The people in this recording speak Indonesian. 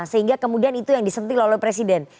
sehingga kemudian itu yang disentih lalui presiden